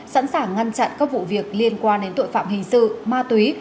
sẵn sàng ngăn chặn các vụ việc liên quan đến tội phạm hình sự ma túy